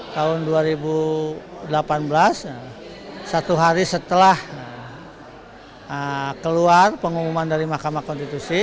tahun dua ribu delapan belas satu hari setelah keluar pengumuman dari mahkamah konstitusi